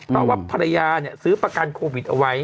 เพราะว่าภรรยาซื้อประกันโควิดเอาไว้